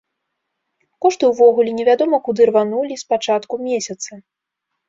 Кошты ўвогуле невядома куды рванулі з пачатку месяца.